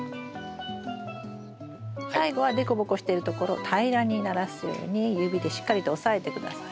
最後は凸凹してるところを平らにならすように指でしっかりと押さえて下さい。